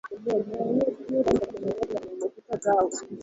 Alichaguliwa kuwa Mjumbe wa Jopo la Umoja wa Mataifa